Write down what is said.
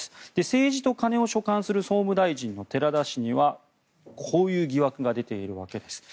政治と金を所管する総務大臣の寺田氏にはこういった疑惑が出ているわけです。